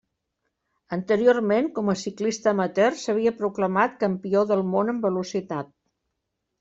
Anteriorment, com a ciclista amateur s'havia proclamat campió del món en velocitat.